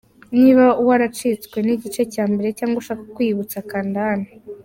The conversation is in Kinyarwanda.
Niba waracitswe n’ igice cya mbere cyangwa ushaka kwiyibutsa Kanda hano.